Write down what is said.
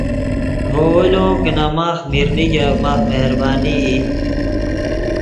ڤے ویلو کہ نے ماخ میر نیگف ماف مہربانی ای